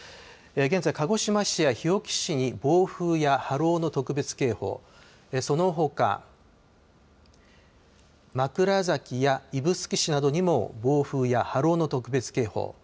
現在、鹿児島市や日置市に暴風や波浪の特別警報そのほか枕崎や指宿市などにも暴風や波浪の特別警報。